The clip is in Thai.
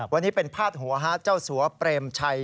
วันนี้เป็นพาดหัวเจ้าสัวเปรมชัย